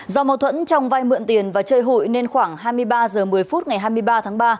do mâu thuẫn trong vai mượn tiền và chơi hụi nên khoảng hai mươi ba h một mươi phút ngày hai mươi ba tháng ba